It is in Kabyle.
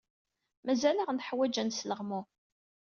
Mazal-aɣ neḥwaj ad nesleɣmu.